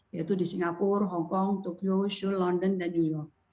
yaitu di singapura hong kong tokyo seoul london dan new york